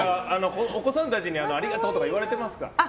お子さんたちにありがとうとか言われてますか？